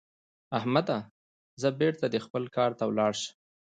احمده؛ ځه بېرته دې خپل کار ته ولاړ شه.